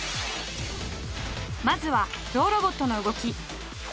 まずはゾウロボットの動き。